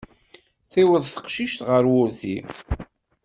Tiweḍ teqcict ɣer wurti.